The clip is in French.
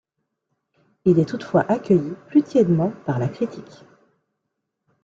Il est toutefois accueilli plus tièdement par la critique.